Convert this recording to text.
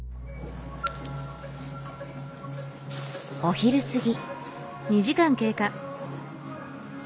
お昼過ぎ。